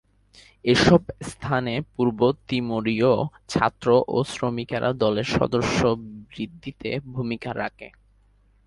এসব স্থানে পূর্ব তিমুরীয় ছাত্র ও শ্রমিকেরা দলের সদস্য বৃদ্ধিতে ভূমিকা রাখে।